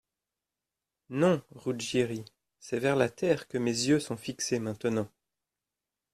Non, Ruggieri, c’est vers la terre que mes yeux sont fixés maintenant.